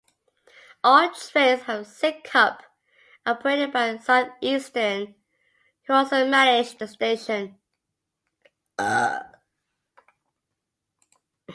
All trains from Sidcup are operated by Southeastern, who also manage the station.